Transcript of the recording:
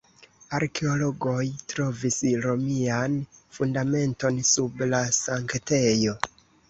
Arkeologoj trovis romian fundamenton sub la sanktejo.